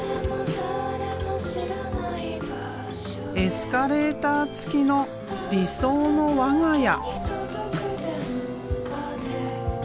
エスカレーター付きの理想の我が家。